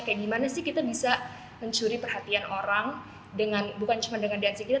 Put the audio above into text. kayak gimana sih kita bisa mencuri perhatian orang dengan bukan cuma dengan dancing kita